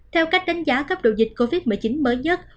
theo cách đánh giá cấp độ dịch covid một mươi chín mới nhất